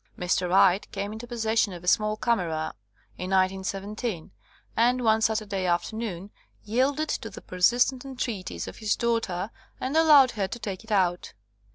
Mr. Wright came into possession of a small camera in 1917, and one Saturday afternoon yielded to the persistent entreat ies of his daughter and allowed her to take it out.